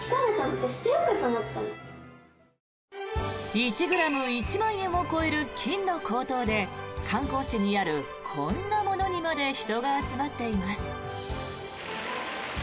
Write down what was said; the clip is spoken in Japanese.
１ｇ１万円を超える金の高騰で観光地にあるこんなものにまで人が集まっています。